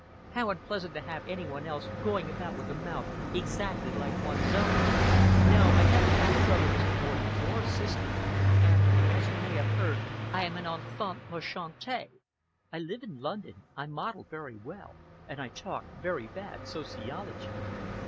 "How unpleasant to have any one else going about with a mouth exactly like one's own! No, I never had a brother, Mr. Orden, or a sister, and, as you may have heard, I am an enfant mechante. I live in London, I model very well, and I talk very bad sociology.